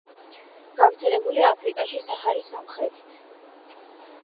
გავრცელებულია აფრიკაში საჰარის სამხრეთით.